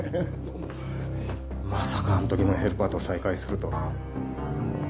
まさかあの時のヘルパーと再会するとは。